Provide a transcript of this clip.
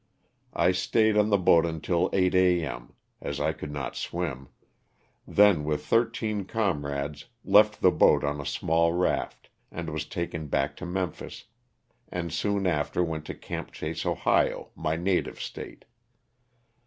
I staid on the boat until 8 A. m., as I could not swim, then with thirteen comrades left the boat on a small raft, and was taken back to Mem phis, and soon after went to *' Camp Chase," Ohio, my native State.